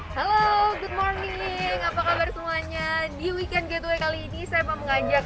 halo good morning apa kabar semuanya di weekend gateway kali ini saya mau mengajak